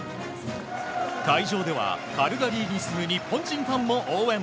会場ではカルガリーに次ぐ日本人ファンも応援。